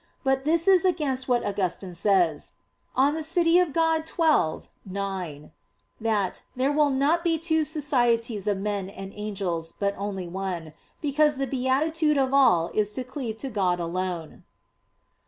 But this is against what Augustine says (De Civ. Dei xii, 9), that "there will not be two societies of men and angels, but only one; because the beatitude of all is to cleave to God alone."